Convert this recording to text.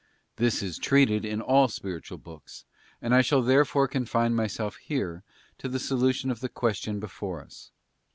This is treated of in all spiritual] books, and I shall there fore confine myself here to the solution of the question before us.